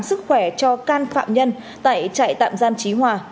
sức khỏe cho can phạm nhân tại trại tạm giam trí hòa